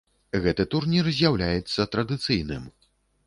Гэты турнір з'яўляецца традыцыйным.